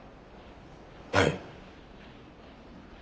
はい。